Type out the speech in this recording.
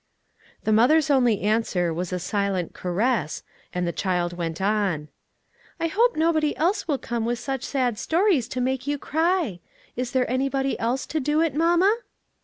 The mother's only answer was a silent caress, and the child went on: "I hope nobody else will come with such sad stories to make you cry. Is there anybody else to do it, mamma?"